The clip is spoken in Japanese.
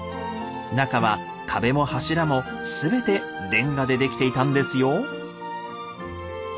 中は壁も柱も全てレンガで出来ていたんですよ。